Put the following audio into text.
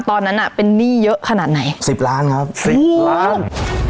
ตอนนั้นอ่ะเป็นหนี้เยอะขนาดไหนสิบล้านครับสิบล้าน